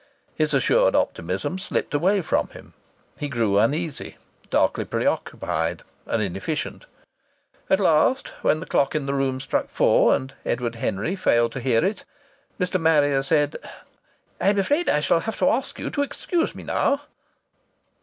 His assured optimism slipped away from him. He grew uneasy, darkly preoccupied, and inefficient. At last, when the clock in the room struck four, and Edward Henry failed to hear it, Mr. Marrier said: "I'm afraid I shall have to ask you to excuse me now."